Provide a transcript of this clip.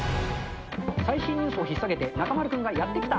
最新ニュースを引っ提げて、中丸君がやってきた！